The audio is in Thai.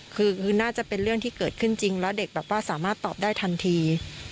คือน่าจะเป็นเรื่องที่เกิดขึ้นจริงแล้วเด็กแบบว่าสามารถตอบได้ทันที